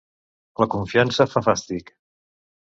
La confiança fa fàstic.